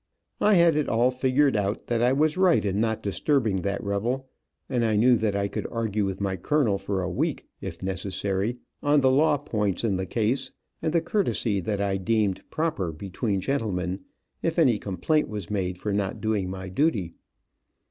I had it all figured out that I was right in not disturbing that rebel, and I knew that I could argue with my colonel for a week, if necessary, on the law points in the case, and the courtesy that I deemed proper between gentlemen, if any complaint was made for not doing my duty.